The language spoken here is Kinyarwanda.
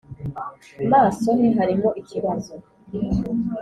maso he harimo ikibazo